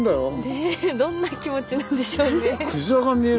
ねえどんな気持ちなんでしょうね。